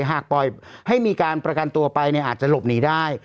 หากปล่อยให้มีการประกันตัวไปอาจจะหลบหนีได้